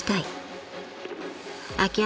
［秋山